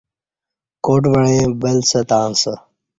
کاٹ وعیں بل ستں اسہ